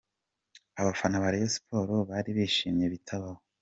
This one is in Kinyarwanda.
Abafana ba Rayon Sports bari bishimye bitabaho.